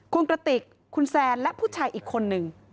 คุณกระติกคุณแซนและผู้ชายอีกคนนึง